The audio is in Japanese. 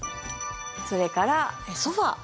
それからソファ。